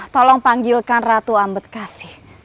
tolong panggilkan ratu ambetkasi